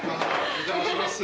お邪魔します